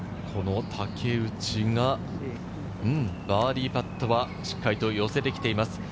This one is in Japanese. バーディーパットはしっかりと寄せてきています。